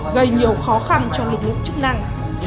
gây nhiều khó khăn cho lực lượng chức năng